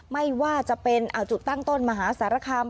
ไม่ว่าจะเป็นจุดตั้งต้นมหาสารคาม